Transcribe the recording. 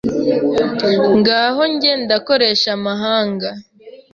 Ngaho jye ndakoresha amahanga